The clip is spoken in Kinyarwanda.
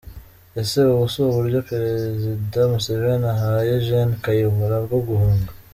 Ese ubu si uburyo Perezida Museveni ahaye Gen Kayihura bwo guhunga?